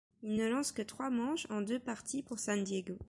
Il ne lance que trois manches en deux parties pour San Diego.